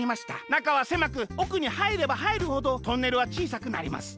なかはせまくおくにはいればはいるほどトンネルはちいさくなります。